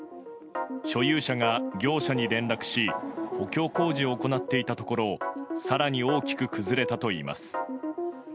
所有者が業者に連絡し補強工事を行っていたところ更に大きく崩れたといいます。